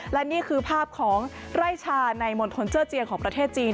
และนี่คือภาพของไร่ชาในมณฑลเจอร์เจียงของประเทศจีน